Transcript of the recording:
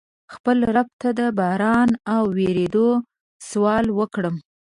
خپل رب ته د باران د ورېدو سوال وکړم.